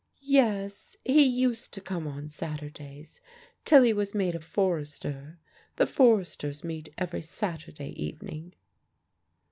"Yes, he used to come on Saturdays, till he was made a Forester. The Foresters meet every Saturday evening."